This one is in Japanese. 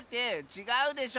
ちがうでしょ！